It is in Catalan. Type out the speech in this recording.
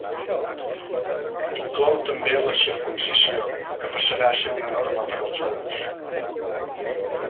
Inclou també la circumcisió, que passarà a ser una norma per als jueus.